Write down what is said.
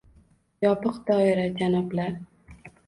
Yopiq doira, janoblar!